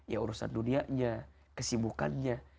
ya urusan dunianya kesibukannya